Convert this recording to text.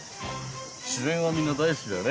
自然はみんな大好きだね。